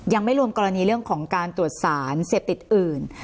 ยังไม่รวมกรณีเรื่องของการตรวจสารเสพติดอื่น